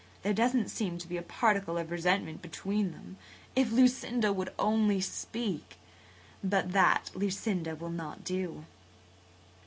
There doesn't seem to be a particle of resentment between them. If Lucinda would only speak! But that Lucinda will not do."